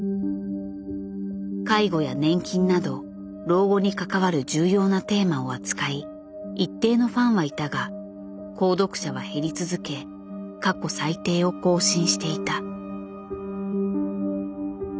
介護や年金など老後に関わる重要なテーマを扱い一定のファンはいたが購読者は減り続け過去最低を更新していた。